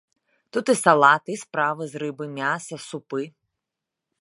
Тут і салаты, і стравы з рыбы, мяса, супы.